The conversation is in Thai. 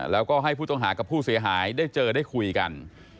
แล้วก็ให้ผู้ต้องหากับผู้เสียหายได้เจอได้คุยกัน